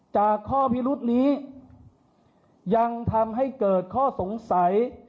จากข้อพิรุษนี้ยังทำให้เกิดข้อสงสัย